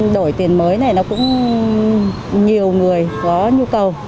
đổi tiền mới này nó cũng nhiều người có nhu cầu